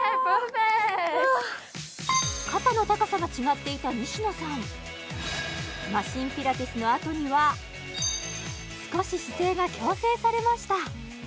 肩の高さが違っていた西野さんマシンピラティスのあとには少し姿勢が矯正されました